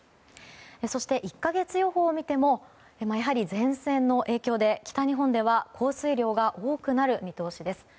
そして、１か月予報を見ても前線の影響で北日本では降水量が多くなる見通しです。